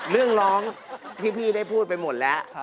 เรื่องร้องพี่ได้พูดไปหมดแล้ว